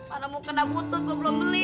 mana mau kena putut gua belum beli